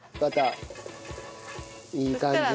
いい感じです。